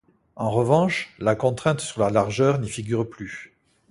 En revanche, la contrainte sur la largeur n'y figure plus.